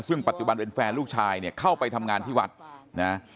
ซึ่งปัจจุบันเป็นแฟนลูกชายเนี่ยเข้าไปทำงานที่วัดนะ